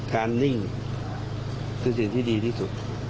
นิ่งคือสิ่งที่ดีที่สุด